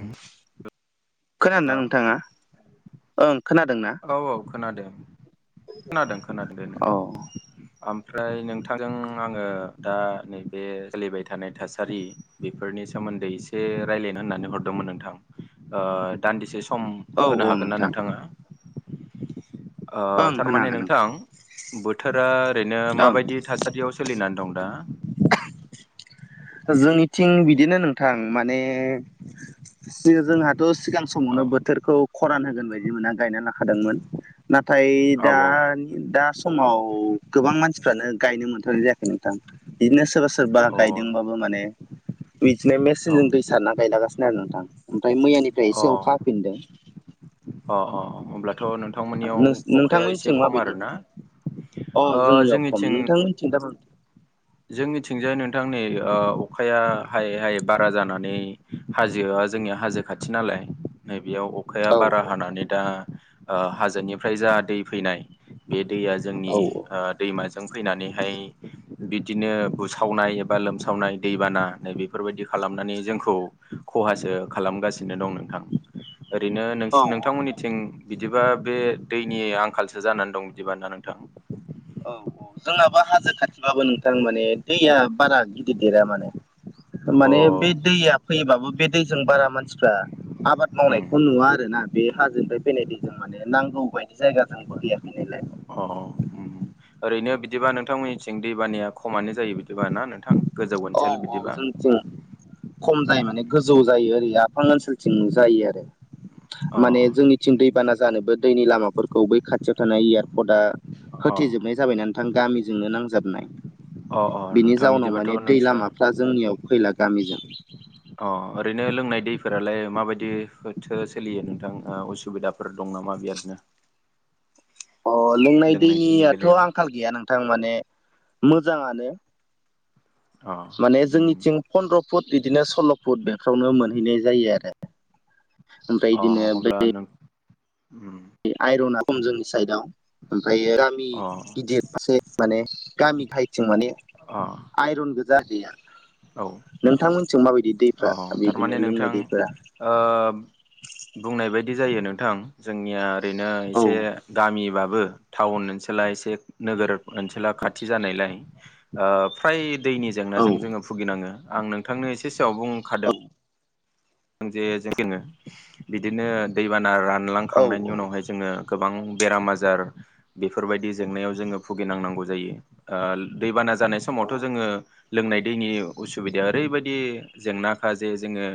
Hello खोनादों ना नोंथाङा ओं खोनादोंना? औ औ खोनादों खोनादों खोनादों दे नों औ आमफ्राय नोंथांजों आङो दा नैबे सोलिबाय थानाय थासारि बेफोरनि सोमोन्दै एसे रायलायनो होननानै हरदोंमोन नोंथां ओ दान्दिसे सम औ होनो औ हागोन ना नोंथां नोंथाङा ओ ओं होनो थारमाने हागोन नोंथां बोथोरा ओरैनो नोंथां ओं माबायदि थासारियाव सोलिनानै दं दा? जोंनिथिं बिदिनो नोंथां माने सो जोंहाथ' सिगां औ समावनो बोथोरखौ खरान होगोन बायदि मोनना गायना लाखादोंमोन नाथाय औ दा दा समाव गोबां मानसिफ्रानो गायनो मोनथावनाय जायाखै नोंथां बिदिनो सोरबा सो सोरबा औ गायदोंबाबो माने बिदिनो अ औ मेसिनजों दै सारना गायलागासि आरो नोंथां ओमफ्राय मैयानिफ्राय अ एसे अखा हाफिनदों। अ अ होमब्लाथ' नों थांमोननियाव अखाया नोंथांमोननिथिं एसे खम माबायदि आरोना अ ओह जोंनियाव खम जोंनिथिं [unintelligible] जोंनिथिंजाय नोंथां नै ओ अखाया हायै हायै बारा जानानै हाजोआ जोंनिया हाजो खाथि नालाय नैबेयाव अखाया औ बारा हानानै दा हाजोनिफ्राय जा दै फैनाय बे दैया जोंनि औ दैमाजों फैनानैहाय बिदिनो बुसावनाय एबा लोमसावनाय दैबाना नै बेफोरबायदि खालामनानै जोंखौ खहासो खालामगासिनो दं नोंथां ओरैनो औ नोंसि नोंथांमोननिथिं बिदिबा बे दैनि आंखालसो जानानै दं बिदिबा नोंथां औ औ जोंहाबो हाजो खाथिबाबो नोंथां माने दैया बारा गिदिर देरा माने अ माने बे दैया फैयोबाबो बे दैजों बारा मानसिफ्रा आबाद उम मावनायखौ नुवा आरोोना बे हाजोनिफ्राय फैनाय दै जों माने नांगौ बायदि जायगाजों [unintelligible] अ औ ओरैनो बिदिबा नोंथांमोननिथिं दैबानाया खमानो जायो बिदिबा ना नोंथां गोजौ औ ओनसोल बिदिबा जोंनिथिं खम जायो माने गोजौ जायो ओरै आफां ओनसोलथिं जायो आरो अ माने जोंनि थिं दैबाना जानोबो दैनि लामाफोरखौ बै खाथियाव थानाय एयारपर्टआ होथेजोबनाय जाबाय ना नोंथां गामिजोंनो नांजाबनाय अ अ बिनि नोंथां जाउनाव बिदिबाथ' माने नोंस्रा दा जोंनियाव फैला गामिजों अ ओरैनो लोंनाय दैफोरालाय माबायदिथो सोलियो नोंथां असुबिदा फोर दं नामा बिबादनो अ लोंनाय दैनि दैयाथ' बेलायाव आंखाल गैया नोंथां माने मोजाङानो अ माने उम जोंनिथिं फन्द्र' फुट बिदिनो सल्ल' फुट बेफ्रावनो मोनहैनाय जायो आरो ओमफ्राय अ बिदिनो अब्ला बे नों उम आइरना खम जोंनि साइदआव ओमफ्राय गामि अ गिदिर ससे माने गामि गाहायथिं माने अ आइरन गोजा दैया औ नोंथांमोनथिं माबायदि अ दैफ्रा बिदिनो थारमाने लोंनाय नोंथां दैफोरा बुंनाय बायदि जायो नोंथां जोंनिया ओरैनो औ एसे गामिबाबो टाउन ओनसोला एसे नोगोर ओनसोला खाथि जानायलाय फ्राय दैनि औ जेंनाजों जोङो भुगिनाङो आं नोंथांनो एसे सिगाङाव बुंखादों औ जों जे जोङो बिदिनो दैबाना औ रानलांखांनायनि उनावहाय जोङो गोबां बेराम आजार बेफोरबायदि जेंनायाव जोङो भुगिनांनांगौ जायो दैबाना जानाय समावथ' औ जोङो लोंनाय दैनि उसुबिदाया ओरैबायदि जेंनाखा जे जोङो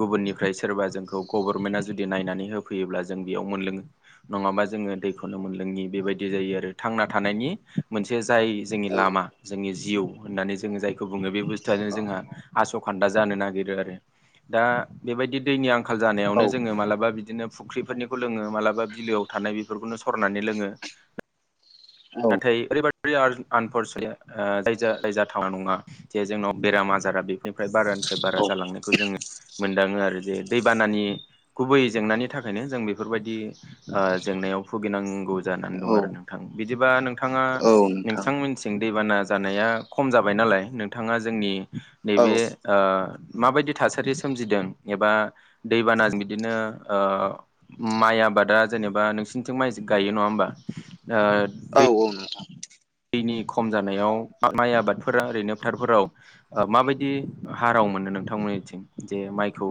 गुबुननिफ्राय सोरबा जोंखौ गभर्नमेन्टआ जुदि नायनानै होफैयोब्ला जों बेयाव मोनलोङो नङाबा जोंङो दैखौनो मोनलोङि बेबायदि जायो आरो थांना थानायनि मोनसे जाय जोंनि औ लामा जोंनि जिउ होननानै जोंङो जायखौ बुङो बे बुस्थुआनो जोंहा आस' खान्दा जानो नागिरो आरो दा बेबायदि दैनि आंखाल जानायावनो जोङो मालाबा बिदिनो फुख्रिफोरनिखौ लोंङो मालाबा बिलोआव थानाय बेफोरखौनो सरनानै लोंङो। औ नाथाय ओरैबादि आनफरसुनेट दायजा जायजा थावना नङा। जे जोंनाव बेराम आजारा बेफोरनिफ्राय बारानिफ्राय बारा जालांनो। खौ जोंङो मोनदाङो आरो जे दैबानानि गुबै जेंनानि थाखायनो जों बेफोरबायदि जेंनायाव भुगिनांगौ जानानै दं औ आरो नोंथां बिदिबा नोंथाङा नोंथां। नोंथां मोननिथिं दैबाना जानाया खम जाबाय नालाय नोंथाङा जोंनि औ नैबे माबायदि थासारि सोमजिदों एबा दैबानाजों बिदिनो माइ आबादा जेनेबा नोंसिनिथिं माइ गायो नङा होमबा ओ दै औ औ नोंगौ दैनि खम जानायाव माइ आबादफोरा ओरैनो फोथारफोराव माबायदि हाराव मोनो नोंथांमोननिथिं जे माइखौ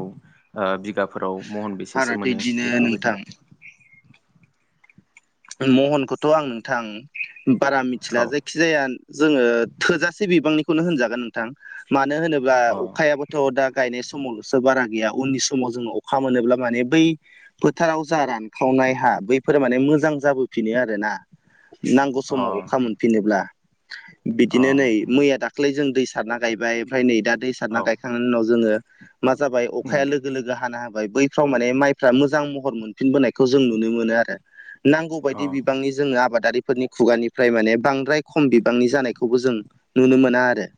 बिगाफोराव महन आरो बेसेसो मोनो बिदिनो बेफोरबायदि नोंथां महनखौथ' आं नोंथां बारा मिथिला औ जाय। जायखि जाया जोंङो थोजासे बिबांनिखौनो होनजागोन नोंथां मानो होनोब्ला अ अखायाबो थ' दा गायनाय समावल'सो बारा गैया उननि समाव जों अखा मोनोब्ला माने बै फोथाराव जा रानखावनाय हा बैफोरो माने मोजां जाबोफिनो आरोना नांगौ अ समाव अखा मोनफिनोब्ला। बिदिनो नै अ मैया दाखालै जों दै सारना गायबाय ओमफ्राय नै दा दै औ गायखांनायनि उनाव जोंङो मा जाबाय उम अखाया लोगो लोगो हानो हाबाय बैफ्राव माने माइफ्रा मोजां महर मोनफिनबोनायखौ जों नुनो मोनो आरो। नांगौ अ बायदि बिबांनि जोंनो आबादारि फोरनि खुगानिफ्राय माने बांद्राय खम बिबांनि जानायखौबो जों नुनो मोना आरो।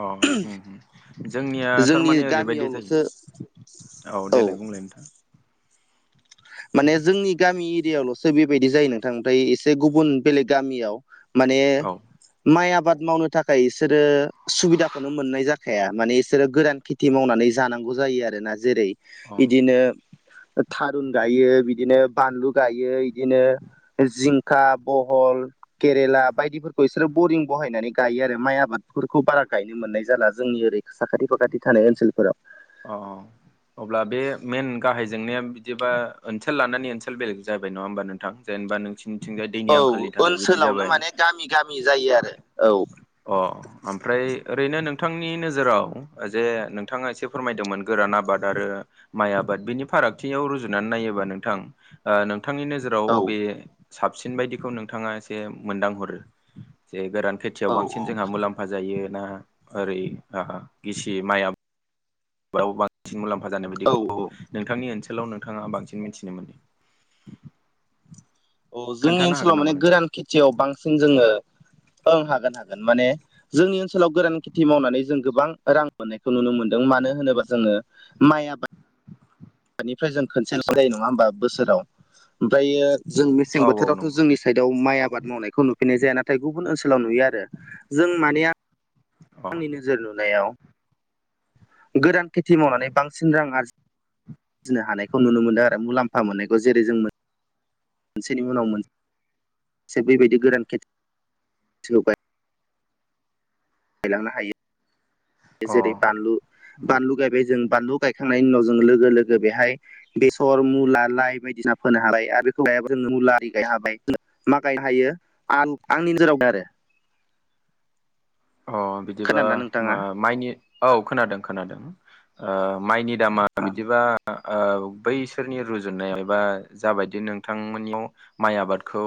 अ उम उम जोंनिया जोंनि थारमाने ओरैबायदि जायो। गामियावल'सो औ देलाय बुंलाय नोंथां। माने जोंनि गामि एरियायावल'सो बेबायदि जायो नोंथां नाथाय एसे गुबुन बेलेग गामियाव माने औ माइ आबाद मावनो थाखाय बिसोरो सुबिदाखौनो मोननाय जाखाया माने बिसोरो गोरान खेथि मावनानै जानांगौ जायो आरोना जेरै अ बिदिनो था बानलु गायो बिदिनो बानलु गायो बिदिनो जिंखा बहल केरेला बायदिफोरखौ बिसोरो बरिं बहायनानै गायो आरो माइ आबादफोरखौ बारा गायनो मोननाय जाला जोंनि ओरै। साखाथि फाखाथि थानाय ओनसोलफोराव। अ। अब्ला बे मेन गाहाय जेंनाया बिदिबा ओनसोल लानानै ओनसोल बेलेग जाबाय नङा होमबा नोंथां। जेनेबा नोंसिनिथिंजाय औ दैनि आंखालनि थाखाय बिदि ओनसोलावनो जाबाय। माने गामि जायो आरो औ अ। ओमफ्राय ओरैनो नोंथांनि नोजोराव जे नोंथाङा एसे फोरमायदोंमोन गोरान आबाद आरो माइ आबाद बिनि फारागथियाव रुजुनानै नायोबा नोंथां नोंथांनिनो जेराव औ अबे साबसिन बायदिखौ नोंथाङा एसे मोन्दां हरो जे गोरान खेथि खेथियाव औ बांसिन जोंहा मुलाम्फा जायोना ओरै ओ गिसि माय बाव बांसिन मुलाम्फा जानाय औ बायदिखौ नोंथांनि ओनसोलाव नोंथाङा बांसिन मिथिनो मोनदों। औ जोंनि खोन्थानो ओनसोलाव हागोन माने नामा नों गोरान खेथियाव बांसिन जोंङो ओं हागोन हागोन माने जोंनि ओनसोलाव गोरान खेथि मावनानै जों गोबां रां मोननायखौ नुनो मोनदों मानो होनोबा जोंङो माय आबाद। हानिफ्राय जों खनसेलसो जायो नङा होमबा बोसोराव ओमफ्रायो जों मेसें औ औ बोथोरावथ' नंगौ जोंनि साइडाव माइ आबाद मावनायखौ नुफिनाय जाया नाथाय गुबुन ओनसोलाव नुयो आरो जों माने अ आंनि नोजोर नुनायाव गोरान खेथि मावनानै बांसिन रां आरजि जिनो हानायखौ नुनो मोनदों आरो मुलाम्फा मोननायखौ जेरै जों मोन मोनसेनि उनाव मोनसे बेबायदि गोरान खेथि सोबाय गायलांनो हायो अ जेरै बानलु उम बानलु गायबाय जों बानलु गायखांनायनि उनाव जोङो लोगो लोगो बेहाय बेसर' मुला 'लाइ बायदिसिना फोनो हाबाय आरो बेखौ लायाबो जों मुला आरि गायनो हाबाय मा गायनो हायो आं आंनि नोजोरावबो आरो अ बिदिबा खोनादोंना नोंथाङा माइनि औ खोनादों खोनादों माइनि दामा बिदिबा ओ बैसोरनि रुजुनायाव एबा जाबायदि नोंथांमोननियाव माइ आबादखौ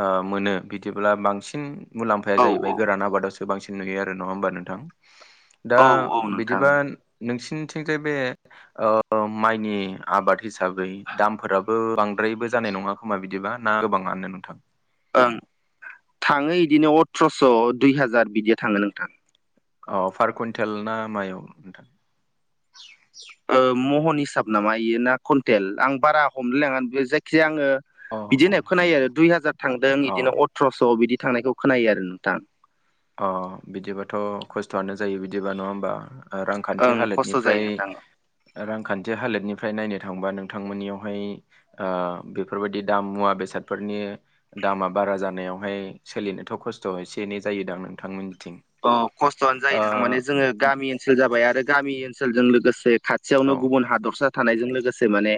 ओ मोनो बिदिब्ला बांसिन मुलाम्फाया औ जाहैबाय गोरान आबादावसो बांसिन नुयो आरो नङा होमबा नोंथां दा औ औ नोंथां बिदिबा नोंसिनिथिंजाय बे ओ माइनि आबाद हिसाबै दामफोराबो बांद्रायबो जानाय नङा खोमा बिदिबा ना गोबाङानो नोंथां ओं थाङो बिदिनो अथ्रस' दुइ हाजार बिदिया थाङो नोंथां अ पार कुइन्टेल ना मायाव नोंथां? ओ महन हिसाब नामा इयो ना कुन्टेल आं बारा हमलायलाङा बे जायखिजाया आङो अ बिदि खोनायो आरो दुइ हाजार थांदों अ बिदिनो अथ्रस' बिदि थांनायखौ खोनायो आरो नोंथां। अ बिदिबाथ' खस्थ'आनो जायो बिदिबा नङा होमबा? ओं रांखान्थि खस्थ' जायो हालोदनिफ्राय नोंथां रांखान्थि हालोदनिफ्राय नायनो थांबा नोंथांमोननियावहाय ओ बेफोरबायदि दाम मुवा बेसादफोरनि दामा बारा जानायावहाय सोलिनोथ' खस्थ' एसे एनै जायोदां नोंथांमोननिथिं अ खस्थ'आनो जायो ओ नोंथां माने जोङो गामि ओनसोल जाबाय आरो गामि ओनसोलजों लोगोसे औ खाथियावनो गुबुन हादरसा थानायजों लोगोसे माने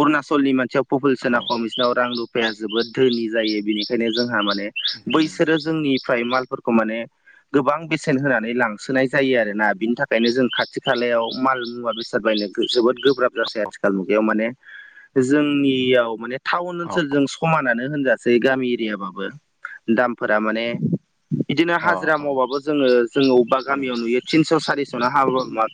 अरुणाचलनि मानसियाव पपुलेसना औ खम बिसिनाव रां रुफाया जोबोद धोनि जायो बिनिखायनो जोंहा माने उम बैसोरो जोंनिफ्राय मालफोरखौ माने गोबां बेसेन होनानै लांसोनाय जायो आरो ना बिनि थाखायनो जों खाथि खालायाव माल मुवा बेसे [unintelligible] जोबोद गोब्राब जासै आथिखाल मुगायाव माने जोंनियाव माने टाउन औ ओनसोलजों समानानो होनजासै गामि एरियाबाबो दामफोरा माने इदिनो अ हाजिरा मावबाबो जोङो जोङो अबेबा उम गामियाव नुयो थिनस' सारिस'नो हाब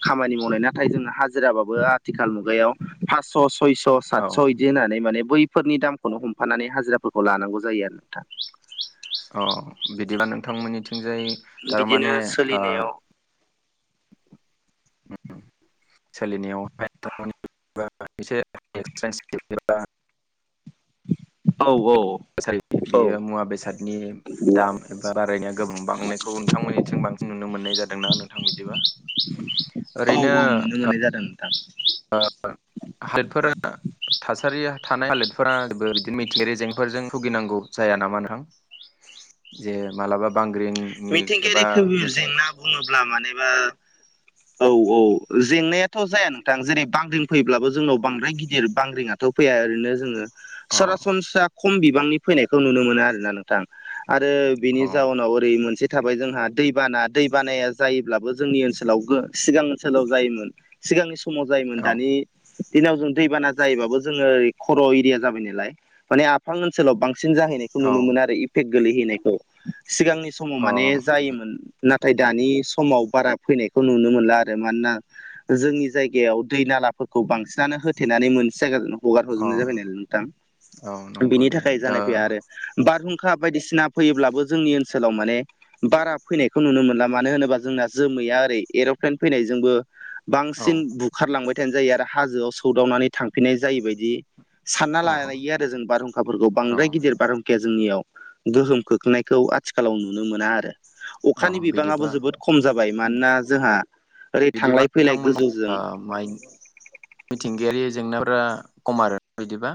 खामानि मावनाय नाथाय जों हा जिराबो आथिखाल मुगायाव फास' सयस' औ सातस' बिदि होननानै माने बैफोरनि दामखौनो हमफानानै हाजिराफोरखौ लानांगौ जायो आरो नोंथां। अ बिदिबा नोंथांमोननिथिंजाय बिदिनो थारमाने ओ सोलिनायाव सोलिनायावहाय [unintelligible] बा एसे एक्सपेन्सिभ एबा औ औ। थासारि औ बेयो मुवा बेसादनि दाम एबा बारायनाया गोबां बांनायखौ नोंथांमोननिथिं बांसिन नुनो मोननाय जादोंना नोंथां बिदिबा औ औ नुनो मोननाय जादों नोंथां। ओ [unintelligible] थासारिया थानाय हालोदफोराेबो बिदिनो मिथिंयायारि जेंनाफोरजों भुगिनांगौ जाया नामा नोंथां? जे मालाबा बांग्रिंनि मिथिंगायारि एबा खैफोद मिथिं जेंना बुङोब्ला मानेबा औ औ जेंनायाथ' जाया नोंथां जेरै बांग्रिं फैयोब्लाबो जोंनाव बांद्राय गिदिर बांग्रिंया थ' फैया ओरैनो जोङो अ सरासनस्रा खम बिबांनि फैनायखौ नुनो मोनो आरोना नों थां आरो अ बिनि जाउनाव ओरै मोन से थाबाय जोंहा दैबाना दैबानाया जायोब्लाबो जोंनि ओनसोलाव गो सिगां ओनसोलाव जायोमोन। सिगांनि समाव जायोमोन औ दानि दिनाव जों दैबाना जायोबाबो जोङो ओरै खर' एरिया जाबाय नालाय माने आफ फां ओनसोलाव बांसिन जाहैनायखौ औ नुनो मोनो आरो इफेक्ट गोलैहैनायखौ सिगांनि समाव माने अ जायोमोन नाथाय दानि समाव बारा फैनायखौ नुनो मोनला आरो मानोना जोंनि जायगायाव दै नालाफोरखौ बांसिनानो होथेनानै मोनसे जायगा हगार अ हरजोबनाय जाबाय नालाय नोंथां औ नंगौ बिनि दे थाखाय दा जानाय फैया आरो बारहुंखा बायदिसिना फैयोब्लाबो जोंनि ओनसोलाव माने बारा फैनायखौ नुनो मोनला मानो होनोबा जोंना जोमैया ओरै एर'प्लेन फैनायजोंबो औ बांसिन बुखारलांबाय थानाय जायो आरो हाजोआव सौदावनानै थांफिननाय जायो बायदि सानना अ लायो आरो जों बारहुंखाफोरखौ औ बांद्राय गिदिर बारहुंखाया जोंनियाव गोहोम खोख्लैनायखौ आथिखालाव नुनो मोना आरो। अ अखानि बिबाङाबो बिदिबा जोबोद खम जाबाय मानोना जोंहा ओरै बिदिबा थांलाय फैलाय नोंथांमोननि गोजौजों माइनि मिथिंगायारि जेंनाफोरा खम आरो बिदिबा?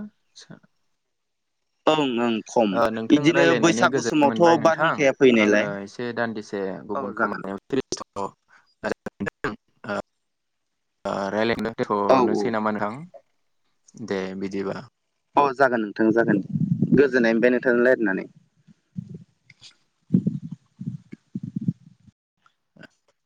ओं ओंं। नोंथां रायज्लायनानै गोजोननाय मोनबाय नोंथां बारहुंखाया आङो फैनायलाय एसे दान्दिसे औ गुबुन जागोन खामानियाव [unintelligible] औ दथ'नोसै नामा नोंथां दे बिदिबा औ जागोन नोंथां जागोन गोजोननाय मोनफ्राय नोंथांजों राय्लायनानै